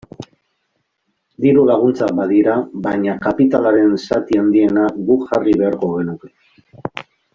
Diru-laguntzak badira, baina kapitalaren zati handiena guk jarri beharko genuke.